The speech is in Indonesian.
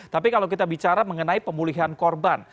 tapi kalau kita bicara mengenai pemulihan korban